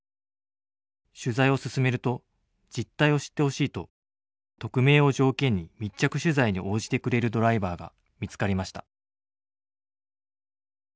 取材を進めると「実態を知ってほしい」と匿名を条件に密着取材に応じてくれるドライバーが見つかりました。